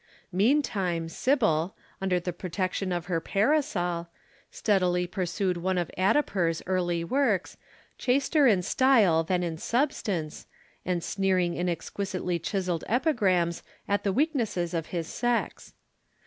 Meantime Sybil, under the protection of her parasol, steadily perused one of Addiper's early works, chaster in style than in substance, and sneering in exquisitely chiselled epigrams at the weaknesses of his sex.